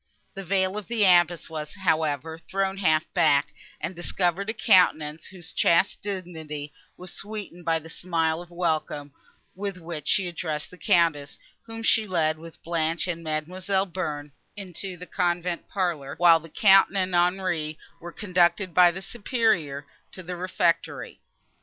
The veil of the abbess was, however, thrown half back, and discovered a countenance, whose chaste dignity was sweetened by the smile of welcome, with which she addressed the Countess, whom she led, with Blanche and Mademoiselle Bearn, into the convent parlour, while the Count and Henri were conducted by the Superior to the refectory.